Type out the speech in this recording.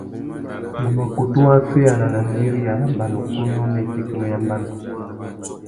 Ngu mà kutu waffeyāna nà mbîriya râ mbanukunú nà itékénô ya mbanu.